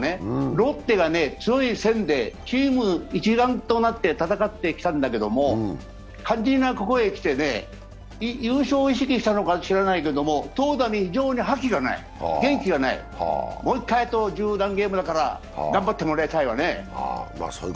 ロッテが強い線でチーム一丸となって戦ってきたんだけれども、肝心なここへきて、優勝を意識したのかしらないけど、投打に覇気がない、元気がない、もう一回、十何ゲームだから頑張ってもらいたいわね。